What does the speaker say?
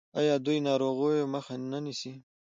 آیا دوی د ناروغیو مخه نه نیسي؟